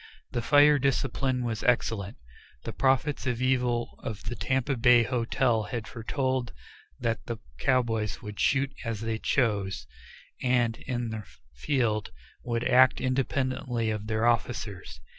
The fire discipline was excellent. The prophets of evil of the Tampa Bay Hotel had foretold that the cowboys would shoot as they chose, and, in the field, would act independently of their officers.